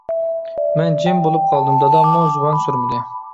مەن جىم بولۇپ قالدىم، داداممۇ زۇۋان سۈرمىدى.